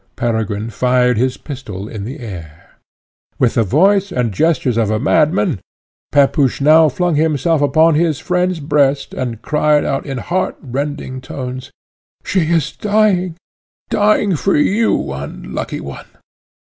Peregrine fired his pistol in the air. With the voice and gestures of a madman, Pepusch now flung himself upon his friend's breast, and cried out, in heart rending tones, "She is dying! dying for you, unlucky one!